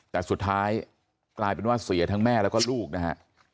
แต่สุดท้ายกลายเป็นว่าเสียทั้งแม่แล้วก็ลูกนะฮะ